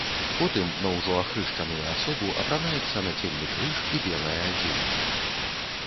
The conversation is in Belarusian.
Потым на ўжо ахрышчаную асобу апранаецца нацельны крыж і белае адзенне.